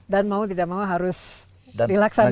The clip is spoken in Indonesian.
dan mau tidak mau harus dilaksanakan